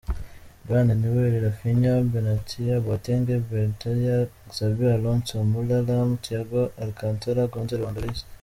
Bayern: Neuer; Rafinha, Benatia, Boateng, Bernatia; Xabi Alonso; Müller, Lahm, Thiago Alcántara, Götze; Lewandowski.